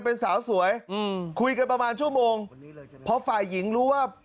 เป็นสาวสวยอืมคุยกันประมาณชั่วโมงพอฝ่ายหญิงรู้ว่า